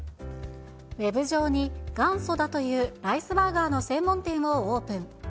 ウェブ上に、元祖だというライスバーガーの専門店をオープン。